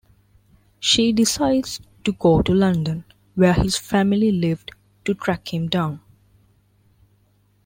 She decides to go to London, where his family lived, to track him down.